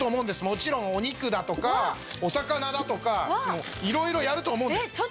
もちろんお肉だとかお魚だとかいろいろやると思うんです。